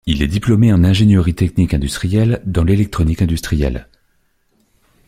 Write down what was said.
Il est diplômé en ingénierie technique industrielle dans l'électronique industrielle.